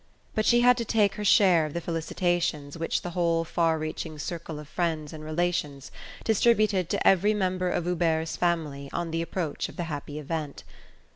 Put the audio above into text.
But she had to take her share of the felicitations which the whole far reaching circle of friends and relations distributed to every member of Hubert's family on the approach of the happy event.